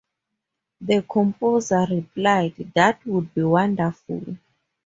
The composer replied, That would be wonderful!